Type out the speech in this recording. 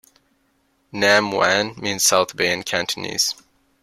"Nam Wan" means South Bay in Cantonese.